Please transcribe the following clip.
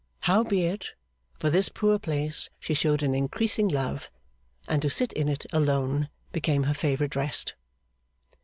Howbeit, for this poor place she showed an increasing love; and to sit in it alone became her favourite rest.